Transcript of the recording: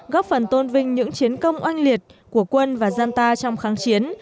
góp phần tôn vinh những chiến công oanh liệt của quân và dân ta trong kháng chiến